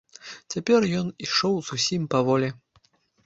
Цяпер ён ішоў зусім паволі.